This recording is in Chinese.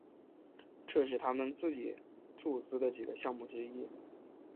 这是他们自己注资的几个项目之一。